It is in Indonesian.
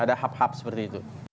ada hub hub seperti itu